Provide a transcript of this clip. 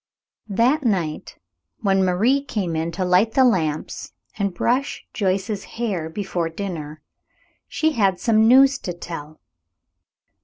That night, when Marie came in to light the lamps and brush Joyce's hair before dinner, she had some news to tell.